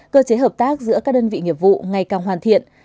cơ chế hợp tác giữa các đơn vị nghiệp vụ ngày càng hoàn thiện